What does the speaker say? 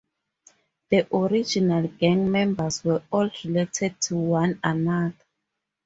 The original gang members were all related to one another.